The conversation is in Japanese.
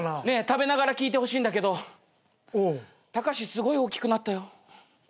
ねえ食べながら聞いてほしいんだけどタカシすごい大きくなったよ。